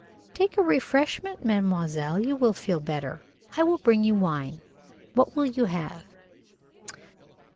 "Take the refreshment, mademoiselle; you will feel better. I will bring you wine. What will you have?"